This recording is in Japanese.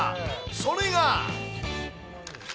それが。